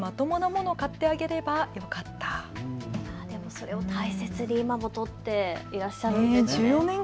それを大切に今も取っていらっしゃるんですね。